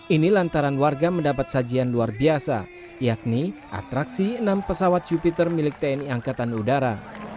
ini lantaran warga mendapat sajian luar biasa yakni atraksi enam pesawat jupiter milik tni angkatan udara